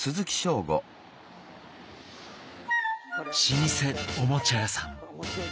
老舗おもちゃ屋さん。